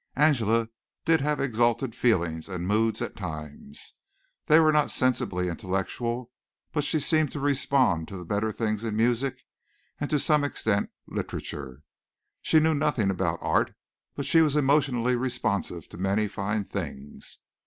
Angela did have exalted feelings and moods at times. They were not sensibly intellectual but she seemed to respond to the better things in music and to some extent in literature. She knew nothing about art, but she was emotionally responsive to many fine things.